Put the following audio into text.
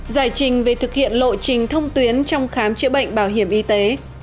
giải trình về thực hiện lộ trình thông tuyến trong khám chữa bệnh bảo hiểm y tế